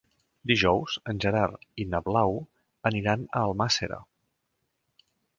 Dijous en Gerard i na Blau aniran a Almàssera.